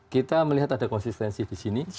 kita melihat ada konsistensi di sini